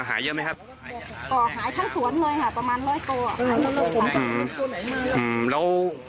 หายเยอะไหมครับหายทั้งสวนเลยค่ะประมาณร้อยก่ออืมเรา